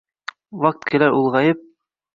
Vaqt kelar, ulg’ayib